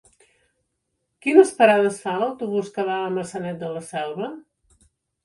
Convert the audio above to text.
Quines parades fa l'autobús que va a Maçanet de la Selva?